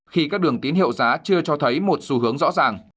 khi các đường tín hiệu giá chưa cho thấy một xu hướng rõ ràng